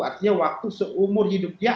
artinya waktu seumur hidup dia